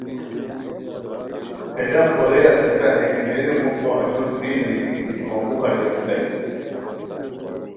ہے ڈاق اورے اسیکا ہے کیمیریو موخو اشرو ڈیل دیتی گیتی ہو موخہ چوٹیتائے